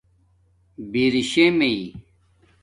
برشےمئ